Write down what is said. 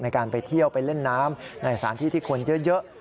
ในการไปเที่ยวไปเล่นน้ำในสถานที่ที่คนเยอะ